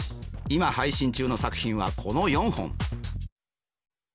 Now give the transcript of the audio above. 今配信中の作品はこの４本。